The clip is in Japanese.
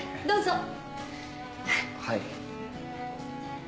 どうぞ。